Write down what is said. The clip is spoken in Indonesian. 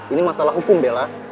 ini masalah hukum bella